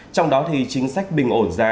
trong đó thì chính sách bình ổn giá